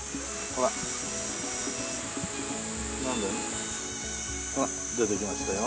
ほら出てきましたよ。